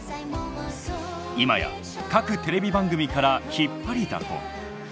今や各テレビ番組から引っ張りだこ。